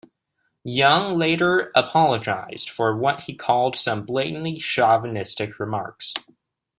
Young later apologized for what he called some blatantly chauvinistic remarks.